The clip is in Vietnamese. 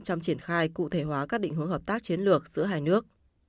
trong triển khai cụ thể hóa các định hướng hợp tác chiến lược giữa hai nước